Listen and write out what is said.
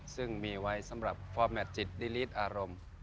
ซึ่งมีไว้สำหรับฟอร์แมทจิตดิลีดอารมณ์